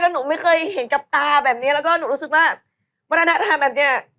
หนูไม่เคยเห็นกับตาแบบนี้แล้วก็หนูรู้สึกว่าวัฒนธรรมแบบนี้